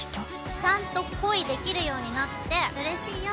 ちゃんと恋できるようになってうれしいよ。